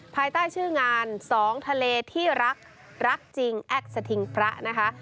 ภายใต้ชื่องานสองทะเลที่รักรักจริงแอคสถิงพระนะคะ